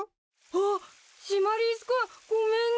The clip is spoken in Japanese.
あっシマリス君ごめんね！